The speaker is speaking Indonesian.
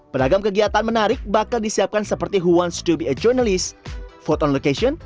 beragam kegiatan menarik bakal disiapkan seperti honest to be a journalist vote on location